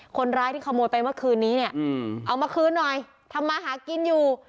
คนร้ายที่ขโมยไปเมื่อคืนนี้เนี่ยเอามาคืนหน่อยทำมาหากินอยู่